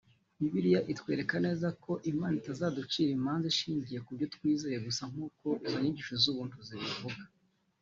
Bibiliya itwereka neza ko Imana Itazanducira imanza inshingiye kubyo twizeye gusa nkuko izo nyigisho z’ubuntu zibivuga